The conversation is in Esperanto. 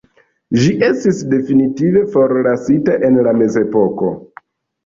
Ĝi estis definitive forlasita en la mezepoko.